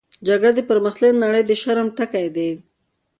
جګړه د پرمختللې نړۍ د شرم ټکی دی